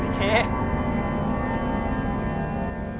พี่เค